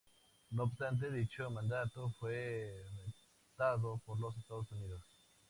No obstante, dicho mandato fue vetado por los Estados Unidos.